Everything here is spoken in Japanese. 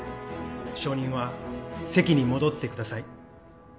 証人は席に戻ってください